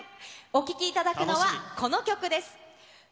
お聴きいただくのは、この曲です。